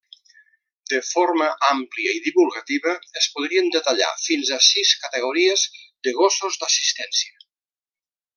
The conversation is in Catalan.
De forma àmplia i divulgativa es podrien detallar fins a sis categories de gossos d'assistència.